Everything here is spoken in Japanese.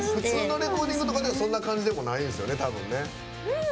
普通のレコーディングではそんな感じではないんですよね。